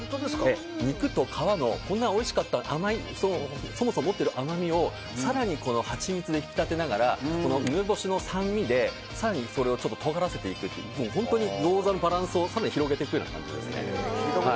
肉と皮の、こんなにおいしかったそもそも持ってる甘みを更にハチミツで引き立てながら梅干しの酸味で更にそれをとがらせていくという本当にギョーザのバランスを更に広げていく感じです。